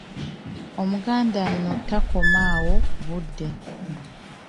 Omuganda nno takoma awo ku budde.